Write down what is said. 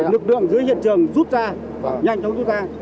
được đường dưới hiện trường rút ra nhanh chóng rút ra